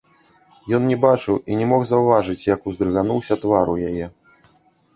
Ён не бачыў і не мог заўважыць, як уздрыгануўся твар у яе.